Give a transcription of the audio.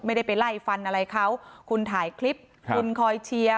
ไม่ได้ไปไล่ฟันอะไรเขาคุณถ่ายคลิปคุณคอยเชียร์